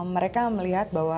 mereka melihat bahwa